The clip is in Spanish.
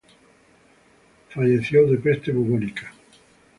Falleció de peste bubónica.